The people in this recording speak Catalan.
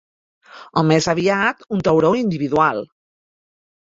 O, més aviat, un tauró individual.